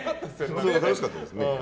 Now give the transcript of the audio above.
楽しかったですよ。